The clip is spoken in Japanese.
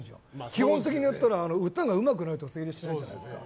基本的に言ったら歌がうまくないと成立しないじゃないですか。